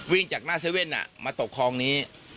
จากหน้าเซเว่นมาตกคลองนี้